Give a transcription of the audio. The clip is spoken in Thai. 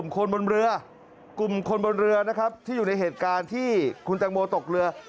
กลุ่มคนบนเรือที่อยู่ในเหตุการณ์ที่คุณแตงโมตกเรือ